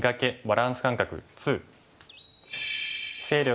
バランス感覚２」。